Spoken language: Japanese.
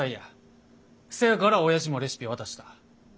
そやからおやじもレシピ渡した。